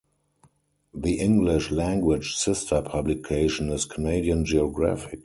The English-language sister publication is "Canadian Geographic".